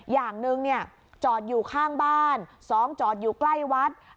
อย่างหนึ่งเนี่ยจอดอยู่ข้างบ้าน๒จอดอยู่ใกล้วัด